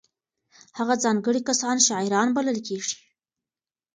هغه ځانګړي کسان شاعران بلل کېږي.